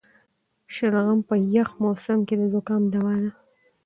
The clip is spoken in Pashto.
شلغم په یخ موسم کې د زکام دوا ده.